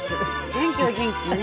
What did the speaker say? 元気は元気ね。